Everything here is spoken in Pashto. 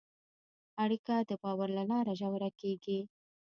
اړیکه د باور له لارې ژوره کېږي.